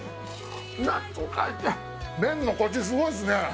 麺のこし、すごいですね。